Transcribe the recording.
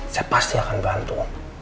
saya pasti akan bantu